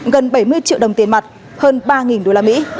gần bảy mươi triệu đồng tiền mặt hơn ba đô la mỹ